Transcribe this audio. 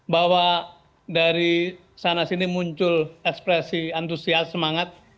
bahwa dari sana sini muncul ekspresi antusias semangat